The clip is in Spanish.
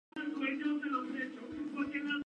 La tecnología de vuelo actual lo había fascinado.